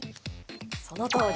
そのとおり！